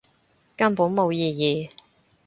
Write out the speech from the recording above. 根本冇意義